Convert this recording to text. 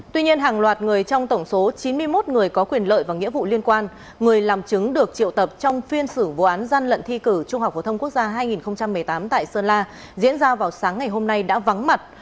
tuy nhiên hàng loạt người trong tổng số chín mươi một người có quyền lợi và nghĩa vụ liên quan người làm chứng được triệu tập trong phiên xử vụ án gian lận thi cử trung học phổ thông quốc gia hai nghìn một mươi tám tại sơn la diễn ra vào sáng ngày hôm nay đã vắng mặt